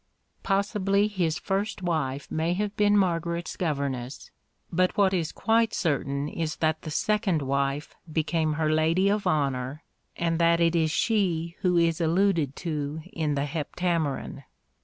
Possibly his first wife may have been Margaret's governess, but what is quite certain is that the second wife became her lady of honour, and that it is she who is alluded to in the Heptameron.